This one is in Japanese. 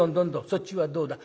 そっちはどうだ？